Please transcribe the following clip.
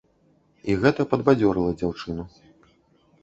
І гэта падбадзёрыла дзяўчыну.